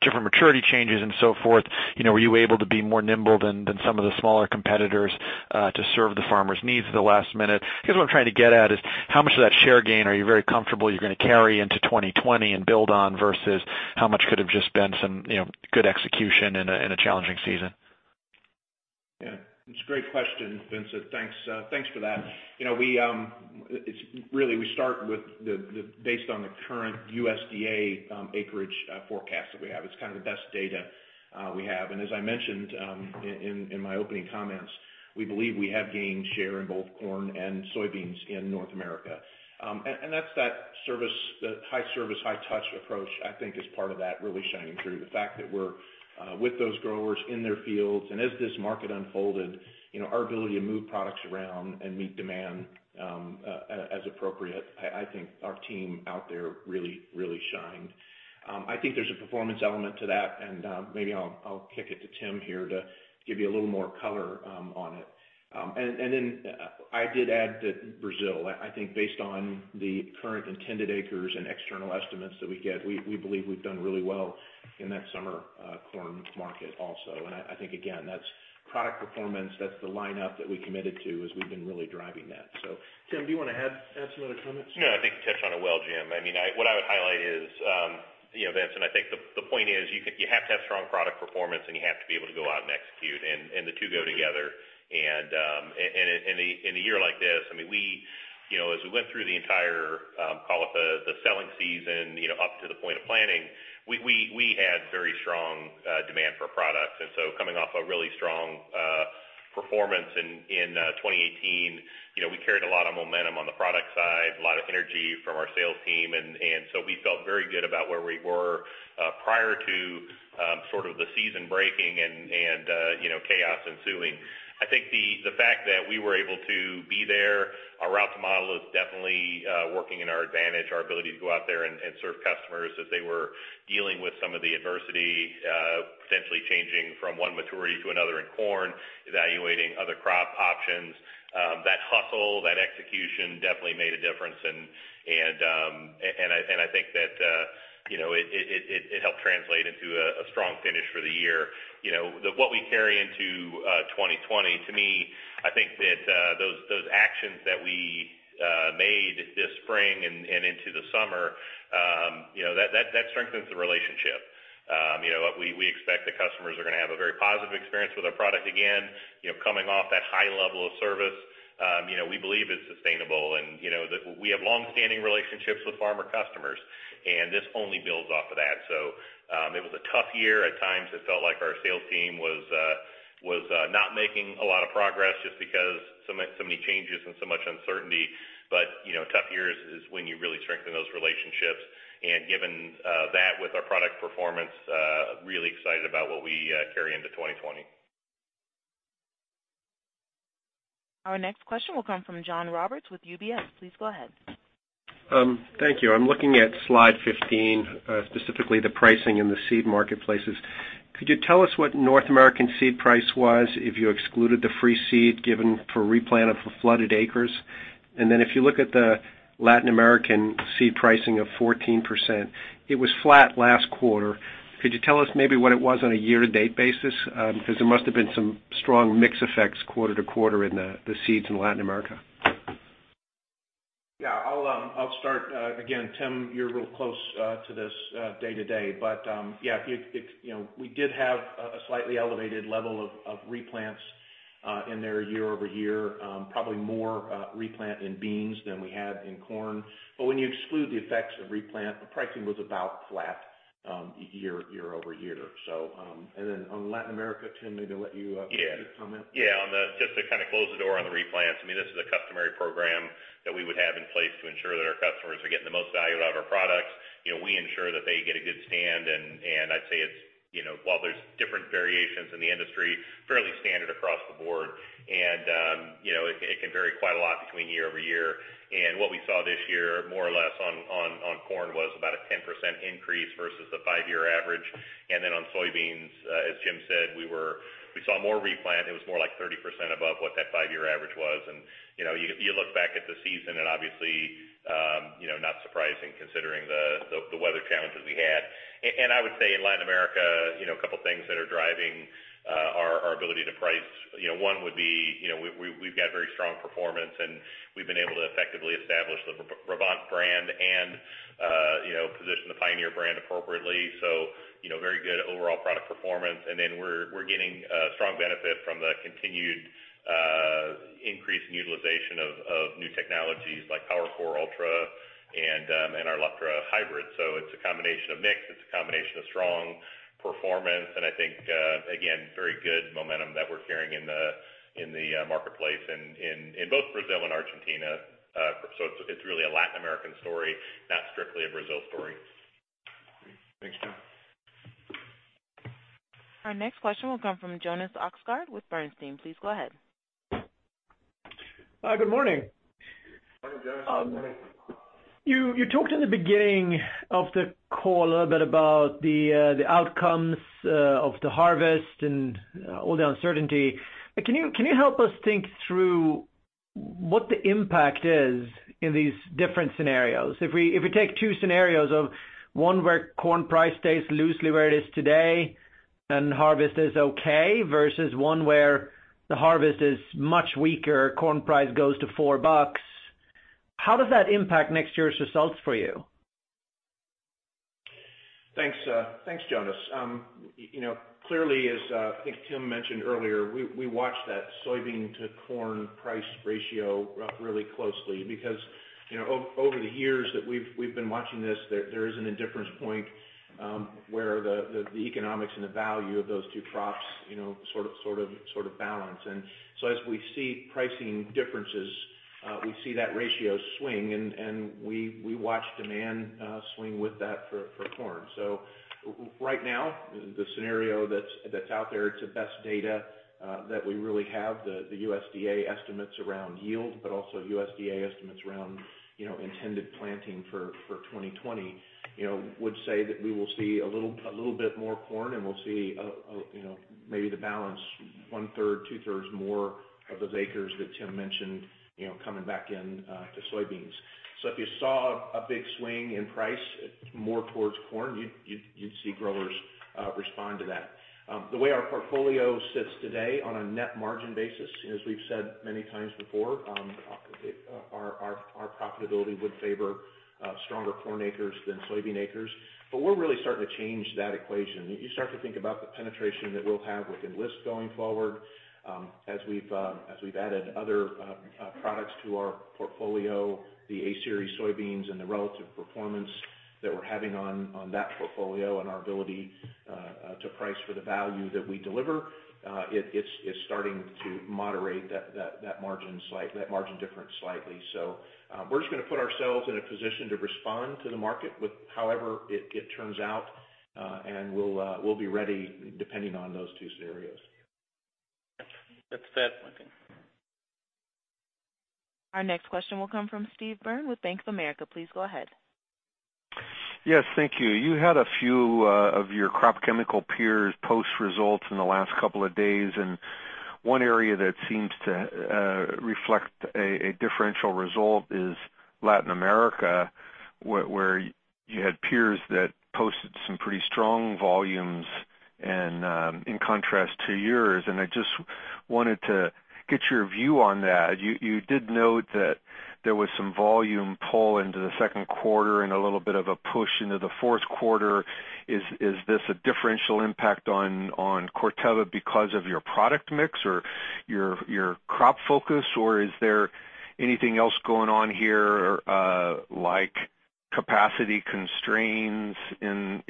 different maturity changes and so forth. Were you able to be more nimble than some of the smaller competitors to serve the farmers' needs at the last minute? I guess what I'm trying to get at is, how much of that share gain are you very comfortable you're going to carry into 2020 and build on versus how much could have just been some good execution in a challenging season? Yeah. It's a great question, Vincent. Thanks for that. Really, we start based on the current USDA acreage forecast that we have. It's kind of the best data we have. As I mentioned in my opening comments, we believe we have gained share in both corn and soybeans in North America. That's that high service, high touch approach, I think, is part of that really shining through. The fact that we're with those growers in their fields. As this market unfolded, our ability to move products around and meet demand as appropriate, I think our team out there really shined. I think there's a performance element to that, and maybe I'll kick it to Tim here to give you a little more color on it. I did add that Brazil, I think based on the current intended acres and external estimates that we get, we believe we've done really well in that summer corn market also. I think, again, that's. Product performance, that's the lineup that we committed to, as we've been really driving that. Tim, do you want to add some other comments? I think you touched on it well, Jim. What I would highlight is, Vincent, I think the point is you have to have strong product performance, and you have to be able to go out and execute, and the two go together. In a year like this, as we went through the entire, call it the selling season up to the point of planning, we had very strong demand for products. Coming off a really strong performance in 2018, we carried a lot of momentum on the product side, a lot of energy from our sales team, and so we felt very good about where we were prior to the season breaking and chaos ensuing. I think the fact that we were able to be there, our route to model is definitely working in our advantage. Our ability to go out there and serve customers as they were dealing with some of the adversity, potentially changing from one maturity to another in corn, evaluating other crop options. That hustle, that execution definitely made a difference, and I think that it helped translate into a strong finish for the year. What we carry into 2020, to me, I think that those actions that we made this spring and into the summer, that strengthens the relationship. We expect the customers are going to have a very positive experience with our product again, coming off that high level of service. We believe it's sustainable and that we have longstanding relationships with farmer customers, and this only builds off of that. It was a tough year at times. It felt like our sales team was not making a lot of progress just because so many changes and so much uncertainty. Tough years is when you really strengthen those relationships, and given that with our product performance, really excited about what we carry into 2020. Our next question will come from John Roberts with UBS. Please go ahead. Thank you. I'm looking at slide 15, specifically the pricing in the seed marketplaces. Could you tell us what North American seed price was if you excluded the free seed given for replant of flooded acres? Then if you look at the Latin American seed pricing of 14%, it was flat last quarter. Could you tell us maybe what it was on a year-to-date basis? There must have been some strong mix effects quarter-to-quarter in the seeds in Latin America. Yeah. I'll start. Again, Tim, you're real close to this day-to-day, but yeah, we did have a slightly elevated level of replants in there year-over-year. Probably more replant in beans than we had in corn. When you exclude the effects of replant, the pricing was about flat year-over-year. On Latin America, Tim, maybe let you- Yeah give a comment. Just to close the door on the replants. This is a customary program that we would have in place to ensure that our customers are getting the most value out of our products. We ensure that they get a good stand, and I'd say while there's different variations in the industry, fairly standard across the board. It can vary quite a lot between year-over-year. What we saw this year, more or less, on corn was about a 10% increase versus the five-year average. On soybeans, as Jim said, we saw more replant. It was more like 30% above what that five-year average was. You look back at the season and obviously, not surprising considering the weather challenges we had. I would say in Latin America, a couple things that are driving our ability to price. One would be we've got very strong performance, and we've been able to effectively establish the Brevant brand and position the Pioneer brand appropriately. Very good overall product performance. We're getting a strong benefit from the continued increased utilization of new technologies like PowerCore Ultra and our Leptra hybrid. It's a combination of mix, it's a combination of strong performance. I think, again, very good momentum that we're carrying in the marketplace in both Brazil and Argentina. It's really a Latin American story, not strictly a Brazil story. Great. Thanks, Tim. Our next question will come from Jonas Oxgaard with AllianceBernstein. Please go ahead. Hi, good morning. Morning, Jonas. Good morning. You talked in the beginning of the call a little bit about the outcomes of the harvest and all the uncertainty. Can you help us think through what the impact is in these different scenarios? If we take two scenarios of one where corn price stays loosely where it is today and harvest is okay, versus one where the harvest is much weaker, corn price goes to $4. How does that impact next year's results for you? Thanks, Jonas. Clearly, as I think Tim mentioned earlier, we watch that soybean to corn price ratio really closely because over the years that we've been watching this, there is an indifference point, where the economics and the value of those two crops sort of balance. As we see pricing differences, we see that ratio swing, and we watch demand swing with that for corn. Right now, the scenario that's out there to best data that we really have the USDA estimates around yield, but also USDA estimates around intended planting for 2020, would say that we will see a little bit more corn and we'll see maybe the balance one third, two thirds more of those acres that Tim mentioned coming back in to soybeans. If you saw a big swing in price more towards corn, you'd see growers respond to that. The way our portfolio sits today on a net margin basis, as we've said many times before, our profitability would favor stronger corn acres than soybean acres. We're really starting to change that equation. You start to think about the penetration that we'll have with Enlist going forward as we've added other products to our portfolio, the A-series soybeans, and the relative performance that we're having on that portfolio and our ability to price for the value that we deliver. It's starting to moderate that margin difference slightly. We're just going to put ourselves in a position to respond to the market with however it turns out. We'll be ready depending on those two scenarios. That's it, I think. Our next question will come from Steve Byrne with Bank of America. Please go ahead. Yes, thank you. You had a few of your crop chemical peers post results in the last couple of days. One area that seems to reflect a differential result is Latin America, where you had peers that posted some pretty strong volumes and in contrast to yours. I just wanted to get your view on that. You did note that there was some volume pull into the second quarter and a little bit of a push into the fourth quarter. Is this a differential impact on Corteva because of your product mix or your crop focus? Is there anything else going on here, like capacity constraints in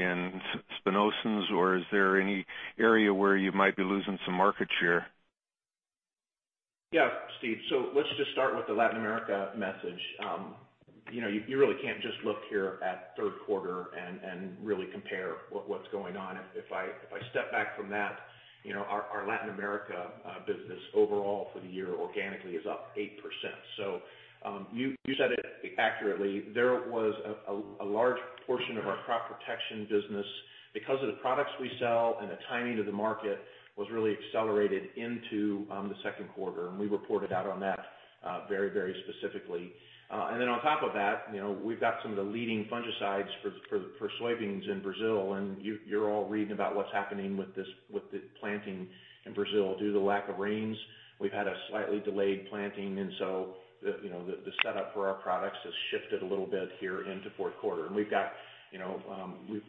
spinosyns? Is there any area where you might be losing some market share? Yeah, Steve. Let's just start with the Latin America message. You really can't just look here at third quarter and really compare what's going on. If I step back from that, our Latin America business overall for the year organically is up 8%. You said it accurately. There was a large portion of our Crop Protection business, because of the products we sell and the timing of the market, was really accelerated into the second quarter, and we reported out on that very specifically. On top of that, we've got some of the leading fungicides for soybeans in Brazil, and you're all reading about what's happening with the planting in Brazil due to the lack of rains. We've had a slightly delayed planting, the setup for our products has shifted a little bit here into fourth quarter.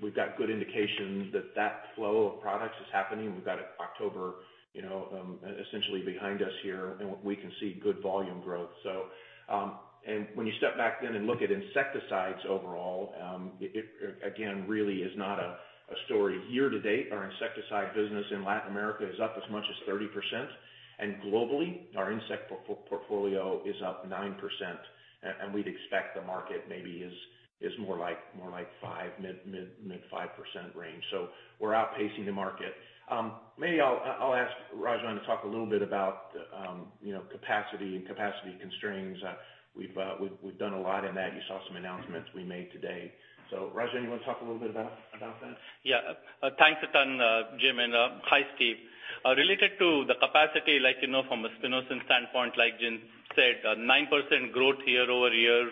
We've got good indication that that flow of products is happening. We've got October essentially behind us here, and we can see good volume growth. When you step back then and look at insecticides overall, it again really is not a story. Year to date, our insecticide business in Latin America is up as much as 30%. Globally, our insect portfolio is up 9%, and we'd expect the market maybe is more like mid 5% range. We're outpacing the market. Maybe I'll ask Rajan to talk a little bit about capacity and capacity constraints. We've done a lot in that. You saw some announcements we made today. Rajan, you want to talk a little bit about that? Yeah. Thanks a ton, Jim, and hi, Steve. Related to the capacity, like you know from a spinosyn standpoint, like Jim said, 9% growth year-over-year,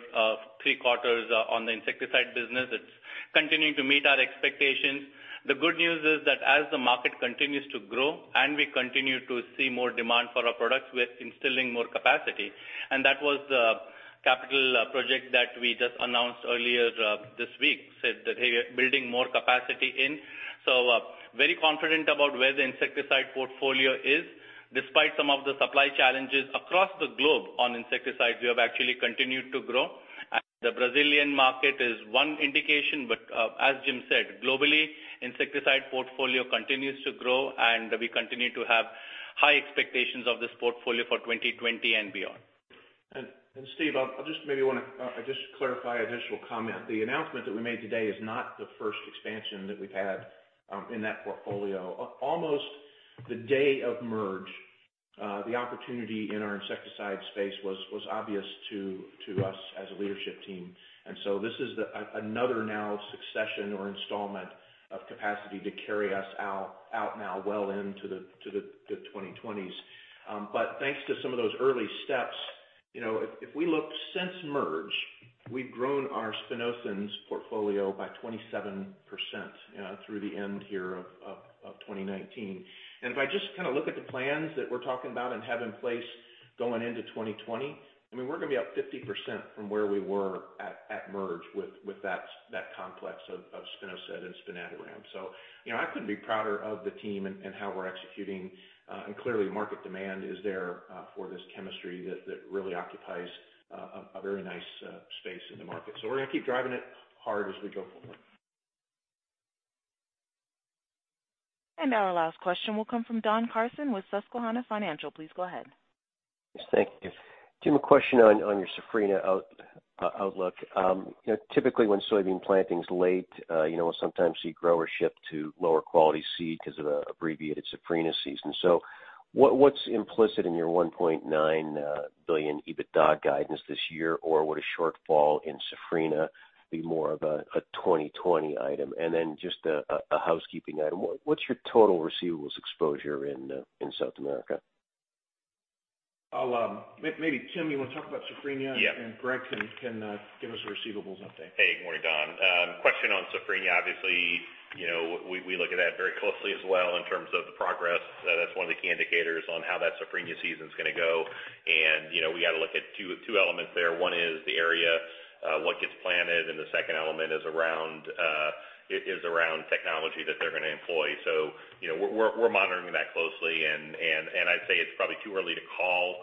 3 quarters on the insecticide business. It's continuing to meet our expectations. The good news is that as the market continues to grow and we continue to see more demand for our products, we're instilling more capacity. That was the capital project that we just announced earlier this week, said that, hey, we're building more capacity in. Very confident about where the insecticide portfolio is. Despite some of the supply challenges across the globe on insecticides, we have actually continued to grow. The Brazilian market is one indication. As Jim said, globally, insecticide portfolio continues to grow, and we continue to have high expectations of this portfolio for 2020 and beyond. Steve, I just maybe want to clarify, additional comment. The announcement that we made today is not the first expansion that we've had in that portfolio. Almost the day of merge, the opportunity in our insecticide space was obvious to us as a leadership team. This is another now succession or installment of capacity to carry us out now well into the 2020s. Thanks to some of those early steps, if we look since merge, we've grown our spinosyns portfolio by 27% through the end here of 2019. If I just kind of look at the plans that we're talking about and have in place going into 2020, I mean, we're going to be up 50% from where we were at merge with that complex of spinosad and spinetoram. I couldn't be prouder of the team and how we're executing. Clearly market demand is there for this chemistry that really occupies a very nice space in the market. We're going to keep driving it hard as we go forward. Our last question will come from Don Carson with Susquehanna Financial. Please go ahead. Thank you. Jim, a question on your safrinha outlook. Typically, when soybean planting's late, sometimes you see growers shift to lower quality seed because of an abbreviated safrinha season. What's implicit in your $1.9 billion EBITDA guidance this year? Or would a shortfall in safrinha be more of a 2020 item? Then just a housekeeping item, what's your total receivables exposure in South America? Maybe, Tim, you want to talk about Safrinha? Yeah. Greg can give us a receivables update. Hey, good morning, Don. Question on safrinha. Obviously, we look at that very closely as well in terms of the progress. That's one of the key indicators on how that safrinha season's going to go. We got to look at two elements there. One is the area, what gets planted, and the second element is around technology that they're going to employ. We're monitoring that closely, and I'd say it's probably too early to call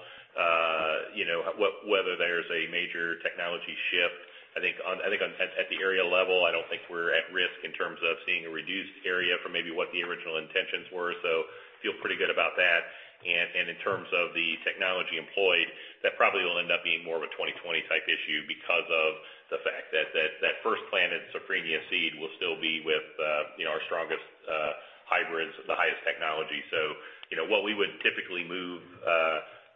whether there's a major technology shift. I think at the area level, I don't think we're at risk in terms of seeing a reduced area from maybe what the original intentions were. Feel pretty good about that. In terms of the technology employed, that probably will end up being more of a 2020 type issue because of the fact that that first planted safrinha seed will still be with our strongest hybrids, the highest technology. What we would typically move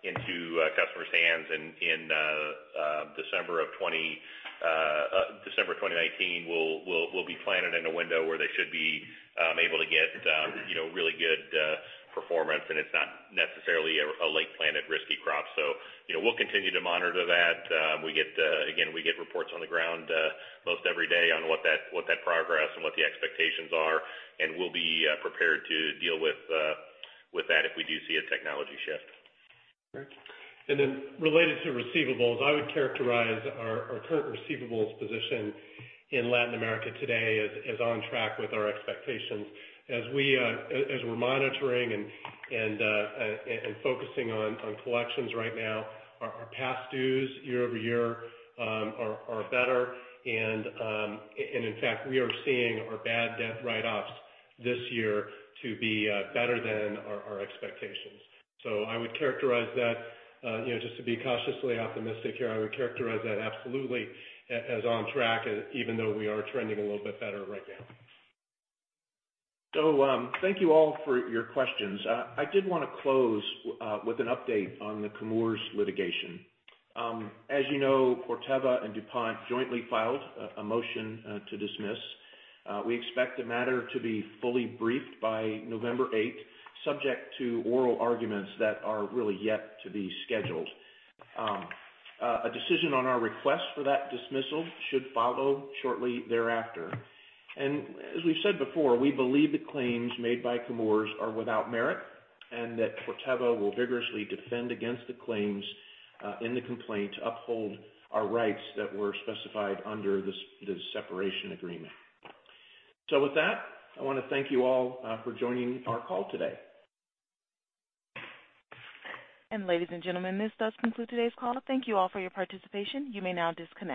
into a customer's hands in December 2019 will be planted in a window where they should be able to get really good performance, and it's not necessarily a late planted risky crop. We'll continue to monitor that. Again, we get reports on the ground most every day on what that progress and what the expectations are, and we'll be prepared to deal with that if we do see a technology shift. Great. Then related to receivables, I would characterize our current receivables position in Latin America today as on track with our expectations. As we're monitoring and focusing on collections right now, our past dues year-over-year are better. In fact, we are seeing our bad debt write-offs this year to be better than our expectations. I would characterize that, just to be cautiously optimistic here, I would characterize that absolutely as on track, even though we are trending a little bit better right now. Thank you all for your questions. I did want to close with an update on the Chemours litigation. As you know, Corteva and DuPont jointly filed a motion to dismiss. We expect the matter to be fully briefed by November 8th, subject to oral arguments that are really yet to be scheduled. A decision on our request for that dismissal should follow shortly thereafter. As we've said before, we believe the claims made by Chemours are without merit and that Corteva will vigorously defend against the claims in the complaint to uphold our rights that were specified under the separation agreement. With that, I want to thank you all for joining our call today. Ladies and gentlemen, this does conclude today's call. Thank you all for your participation. You may now disconnect.